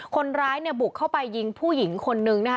คนร้ายเนี่ยบุกเข้าไปยิงผู้หญิงคนนึงนะคะ